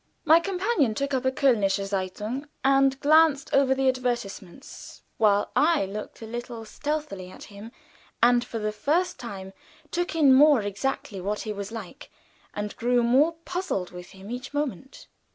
My companion took up a "Kölnische Zeitung," and glanced over the advertisements, while I looked a little stealthily at him, and for the first time took in more exactly what he was like, and grew more puzzled with him each moment.